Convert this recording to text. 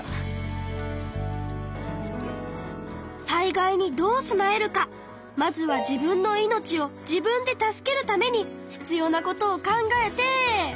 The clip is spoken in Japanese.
災害にどう備えるかまずは自分の命を自分で助けるために必要なことを考えて。